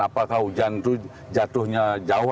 apakah hujan itu jatuhnya jauh